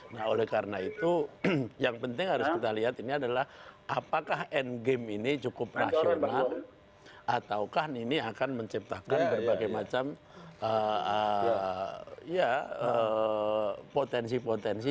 nah oleh karena itu yang penting harus kita lihat ini adalah apakah endgame ini cukup rasional ataukah ini akan menciptakan berbagai macam potensi potensi